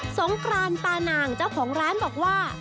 สงกรานปานางเจ้าของร้านบอกว่า